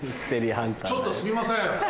ちょっとすみません。